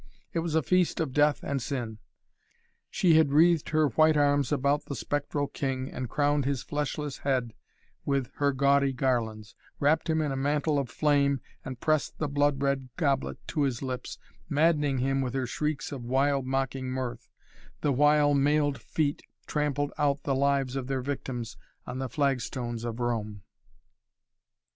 It was a feast of Death and Sin. She had wreathed her white arms about the spectral king and crowned his fleshless head with her gaudy garlands, wrapped him in a mantle of flame and pressed the blood red goblet to his lips, maddening him with her shrieks of wild, mocking mirth, the while mailed feet trampled out the lives of their victims on the flagstones of Rome.